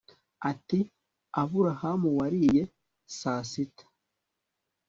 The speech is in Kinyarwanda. ati aburahamu wariye saasita